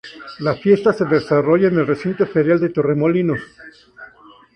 La fiesta se desarrolla en el recinto ferial de Torremolinos.